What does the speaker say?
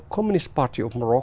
cộng đồng cộng đồng màu bắc